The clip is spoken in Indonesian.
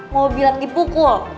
mau bilang dipukul